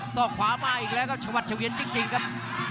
อกขวามาอีกแล้วก็ชวัดเฉวียนจริงครับ